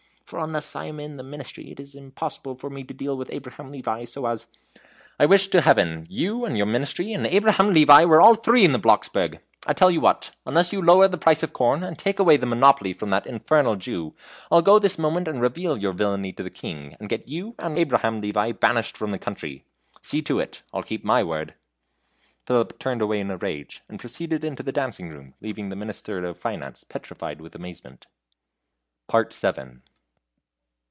For unless I am in the Ministry, it is impossible for me to deal with Abraham Levi so as " "I wish to Heaven you and your Ministry and Abraham Levi were all three on the Blocksberg! I tell you what, unless you lower the price of corn, and take away the monopoly from that infernal Jew, I'll go this moment and reveal your villainy to the King, and get you and Abraham Levi banished from the country. See to it I'll keep my word." Philip turned away in a rage, and proceeded into the dancing room, leaving the Minister of Finance petrified with amazement. VII.